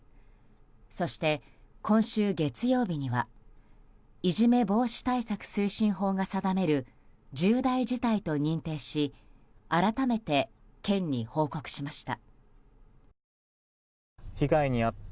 そして、今週月曜日にはいじめ防止対策推進法が定める重大事態と認定し改めて県に報告しました。